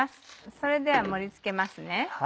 それでは盛り付けますね。